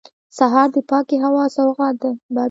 سهار د پاکې هوا سوغات دی.